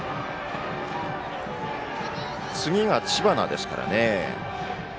次が知花ですからね。